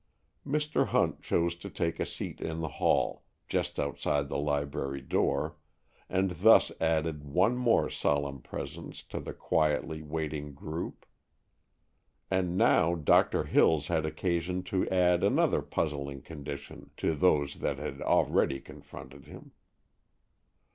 Mr. Hunt chose to take a seat in the hall, just outside the library door, and thus added one more solemn presence to the quietly waiting group. And now Doctor Hills had occasion to add another puzzling condition to those that had already confronted him.